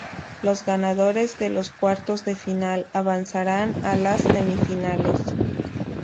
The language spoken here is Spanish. Los ganadores de los cuartos de final avanzarán a las semifinales.